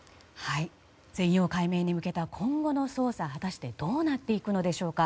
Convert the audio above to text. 全容解明に向けた今後の捜査は果たしてどうなっていくのでしょうか。